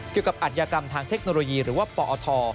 เกี่ยวกับอันยากรรมทางเทคโนโลยีหรือว่าปอท